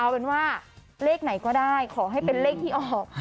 เอาเป็นว่าเลขไหนก็ได้ขอให้เป็นเลขที่ออก